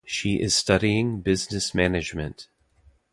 She is studying Business Management.